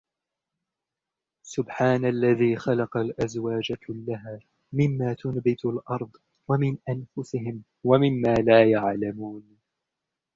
سبحان الذي خلق الأزواج كلها مما تنبت الأرض ومن أنفسهم ومما لا يعلمون